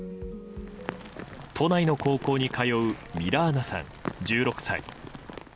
都内の高校に通うミラーナさん、１６歳。